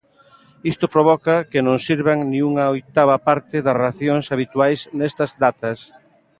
Isto provoca que non sirvan nin unha oitava parte das racións habituais nestas datas.